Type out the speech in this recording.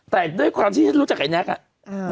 แต่ด้วยความที่รู้จักไอ้แน็กซ์อะอือ